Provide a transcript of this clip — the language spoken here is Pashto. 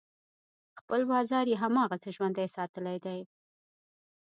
خپل بازار یې هماغسې ژوندی ساتلی دی.